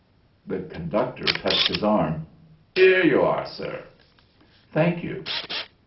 The conductor touched his arm. "'Ere you are, sir." "Thank you."